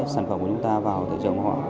sản phẩm của chúng ta vào thị trường họ